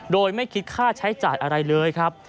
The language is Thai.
โดยไม่คิดค่าใช้จ่ายอะไรเลยครับ